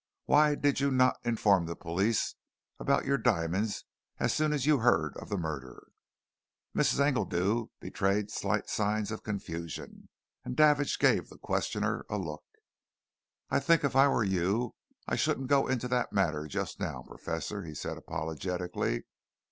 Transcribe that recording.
"Why did you not inform the police about your diamonds as soon as you heard of the murder?" Mrs. Engledew betrayed slight signs of confusion, and Davidge gave the questioner a look. "I think if I were you, I shouldn't go into that matter just now, Professor," he said apologetically.